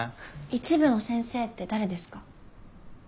一部の先生って誰ですか？